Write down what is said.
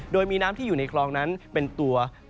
โดยมีน้ำที่อยู่ในคลองนั้นเป็นตัว